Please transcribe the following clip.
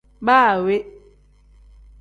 Baa we.